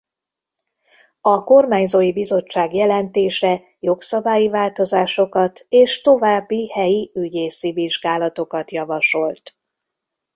A kormányzói bizottság jelentése jogszabályi változásokat és további helyi ügyészi vizsgálatokat javasolt.